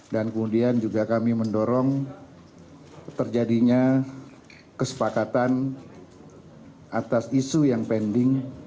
dan kemudian juga kami mendorong terjadinya kesepakatan atas isu yang pending